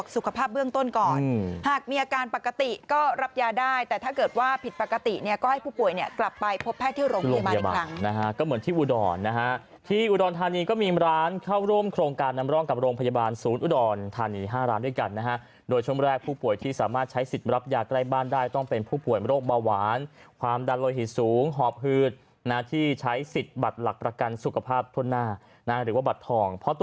สุขภาพเบื้องต้นก่อนหากมีอาการปกติก็รับยาได้แต่ถ้าเกิดว่าผิดปกติก็ให้ผู้ป่วยกลับไปพบแพทย์ที่โรงพยาบาลก็เหมือนที่อุดรทานีก็มีร้านเข้าร่วมโครงการนำร่องกับโรงพยาบาลศูนย์อุดรทานี๕ร้านด้วยกันโดยช่วงแรกผู้ป่วยที่สามารถใช้สิทธิ์รับยาใกล้บ้านได้ต้องเป็นผู้ป่วยโร